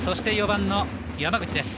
４番の山口です。